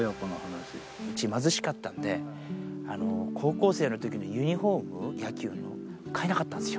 うち、貧しかったんで、高校生のときのユニホーム、野球の、買えなかったんすよ。